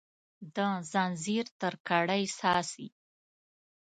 د ځنځیر تر کړۍ څاڅي